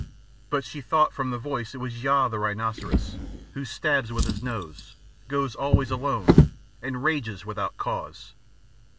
But she thought from the voice it was Yaaa the rhinoceros, who stabs with his nose, goes always alone, and rages without cause.